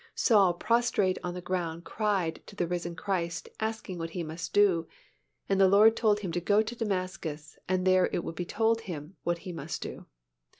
Saul prostrate on the ground cried to the risen Christ asking what he must do, and the Lord told him to go into Damascus and there it would be told him what he must do.